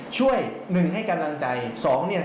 ช่วยหนึ่งให้กำลังใจ